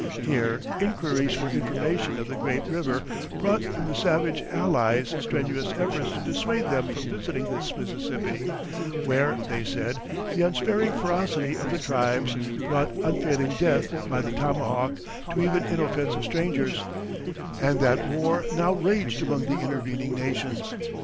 Here inquiries for information of the "great river" brought from the savage allies strenuous efforts to dissuade them from visiting this Mississippi, where, they said, the unsparing ferocity of the tribes brought unfailing death by the tomahawk to even inoffensive strangers, and that war now raged among the intervening nations.